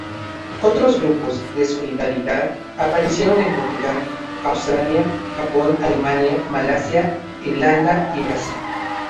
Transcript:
Otros grupos de solidaridad aparecieron en Portugal, Australia, Japón, Alemania, Malasia, Irlanda, y Brasil.